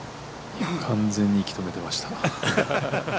完全に息止めてました。